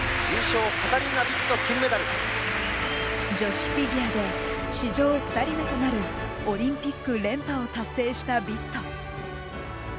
カタリナビット金メダル！女子フィギュアで史上２人目となるオリンピック連覇を達成したビット。